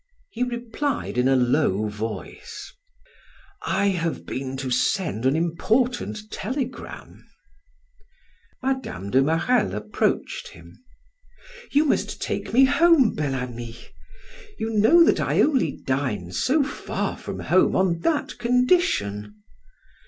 He replied in a low voice: "I have been to send an important telegram." Mme. de Marelle approached him: "You must take me home, Bel Ami; you know that I only dine so far from home on that condition."